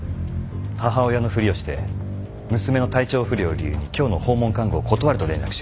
母親のふりをして娘の体調不良を理由に今日の訪問看護を断ると連絡してくれ。